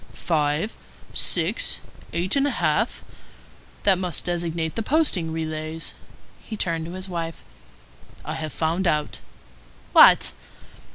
"Five, six, eight and a half? That must designate the posting relays." He turned to his wife:— "I have found out." "What?"